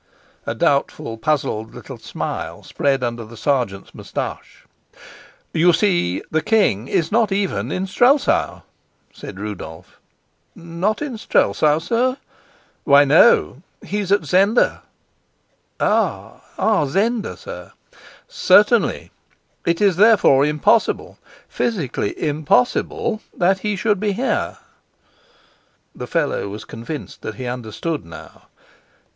A doubtful, puzzled little smile spread under the sergeant's moustache. "You see, the king is not even in Strelsau," said Rudolf. "Not in Strelsau, sir?" "Why, no, he's at Zenda." "Ah! At Zenda, sir?" "Certainly. It is therefore impossible physically impossible that he should be here." The fellow was convinced that he understood now.